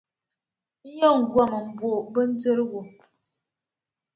N yɛn gomi m-bo bindirigu.